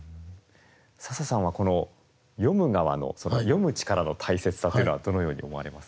笹さんはこの読む側の読む力の大切さっていうのはどのように思われますか？